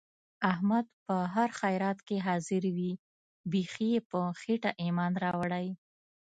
احمد په هر خیرات کې حاضر وي. بیخي یې په خېټه ایمان راوړی.